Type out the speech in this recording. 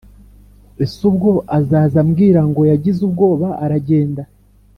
Ese ubwo azaza ambwirango yagize ubwoba aragenda